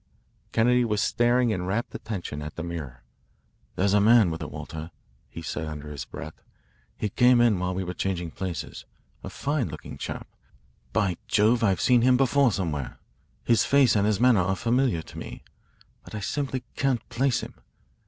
Kennedy was staring in rapt attention at the mirror. "There's a man with her, Walter," he said under his breath. "He came in while we were changing places a fine looking chap. By Jove, I've seen him before somewhere. His face and his manner are familiar to me. But I simply can't place him.